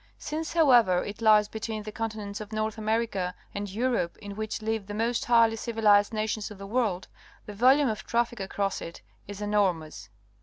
Since, how ever, it lies between the continents of North America and Europe, in which live the most highly civilized nations of the world, the volume of traffic across it is enormous.